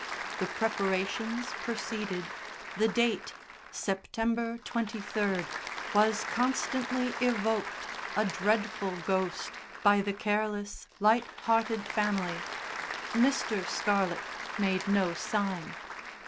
The preparations proceeded, the date September 23rd was constantly evoked, a dreadful ghost, by the careless, light hearted family. Mr. Scarlett made no sign.